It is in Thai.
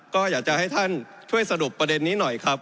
ก็อยากจะให้ท่านช่วยสรุปประเด็นนี้หน่อยครับ